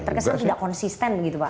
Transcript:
terkesan tidak konsisten begitu pak